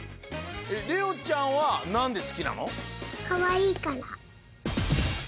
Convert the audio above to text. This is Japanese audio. レオンちゃんはなんですきなの？